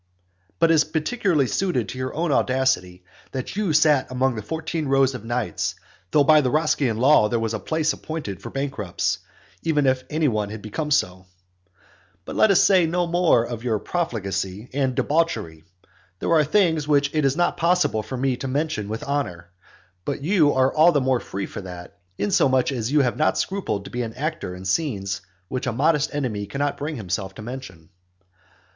But it is peculiarly suited to your own audacity, that you sat among the fourteen rows of the knights, though by the Roscian law there was a place appointed for bankrupts, even if any one had become so. XIX. But let us say no more of your profligacy and debauchery. There are things which it is not possible for me to mention with honour; but you are all the more free for that, inasmuch as you have not scrupled to be an actor in scenes which a modest enemy cannot bring himself to mention.